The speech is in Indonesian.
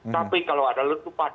tapi kalau ada letupan